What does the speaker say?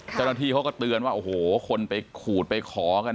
เจ้าหน้าที่เขาก็เตือนว่าโอ้โหคนไปขูดไปขอกัน